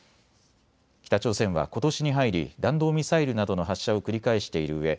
北朝鮮はことしに入り弾道ミサイルなどの発射を繰り返しているうえ